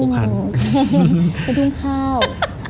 เป็นทุ่งข้าว